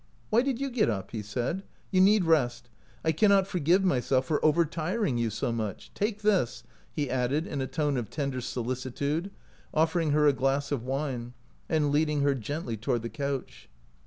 " Why did you get up ?" he said. " You need rest. I cannot forgive myself for overtiring you so much. Take this," he added in a tone of tender solicitude, offering her a glass of wine, and leading her gently toward the couch.